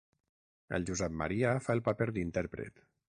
El Josep Maria fa el paper d'intèrpret.